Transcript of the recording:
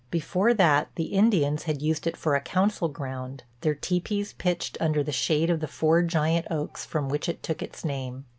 Before that the Indians had used it for a council ground, their tepees pitched under the shade of the four giant oaks from which it took its name.